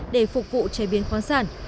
để phục vụ chế biến khoáng sản